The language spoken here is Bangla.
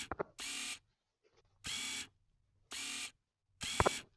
আমি অপরাধ করে ফেলেছি।